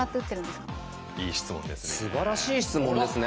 すばらしい質問ですね。